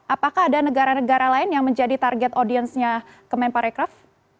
apakah ada negara negara lain yang menjadi target audiensnya kemenparekraf